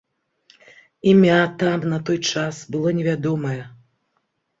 Імя там на той час было невядомае.